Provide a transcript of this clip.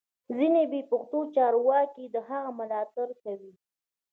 ځینې بې پښتو چارواکي د هغه ملاتړ کوي